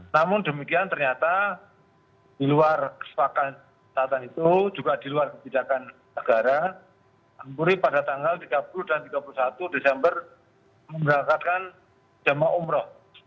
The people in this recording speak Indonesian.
namun demikian ternyata di luar kesepakatan itu juga di luar kebijakan negara ampuri pada tanggal tiga puluh dan tiga puluh satu desember memberangkatkan jemaah umroh